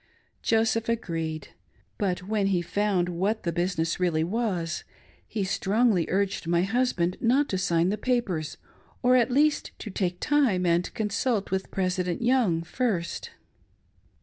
Joseph agreed ; but' when he found what the business really was, he strongly urged my husband not to sign the papers, or, at least, to take time and consult with President Young first.